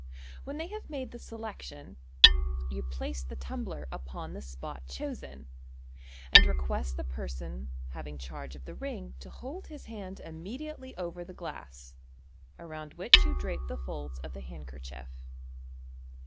When they have made the selection, you place the tumbler upon the spot chosen, and request the person having charge of the ring to hold his hand immedi ately over the glass, around which you drape the folds of the hand kerchief.